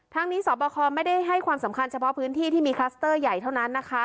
ทั้งนี้สอบคอไม่ได้ให้ความสำคัญเฉพาะพื้นที่ที่มีคลัสเตอร์ใหญ่เท่านั้นนะคะ